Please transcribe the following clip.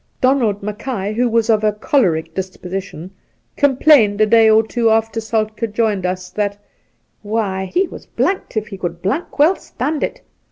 Donald Mackay, who was of a choleric disposition, complained a day or two after Soltke joined us that ' he was blanked if he could blank well stand it.